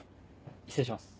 失礼します。